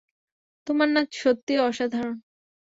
তোমার নাচ সত্যিই অসাধারণ।